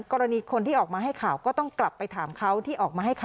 กรณีคนที่ออกมาให้ข่าวก็ต้องกลับไปถามเขา